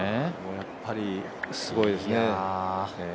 やっぱりすごいですね。